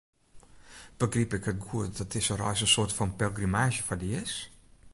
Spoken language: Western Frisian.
Begryp ik it goed dat dizze reis in soarte fan pelgrimaazje foar dy is?